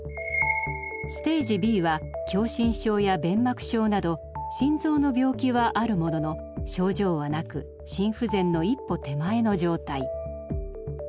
ステージＢは狭心症や弁膜症など心臓の病気はあるものの症状はなく心不全の一歩手前の状態。